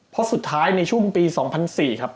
เพราะสุดท้ายในช่วงปี๒๐๐๔ครับ